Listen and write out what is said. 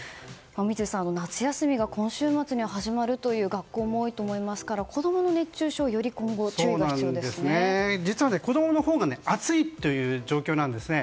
三井さん、夏休みが今週末に始まるという学校も多いと思いますが子供の熱中症に実は、子供のほうが暑いという状況なんですね。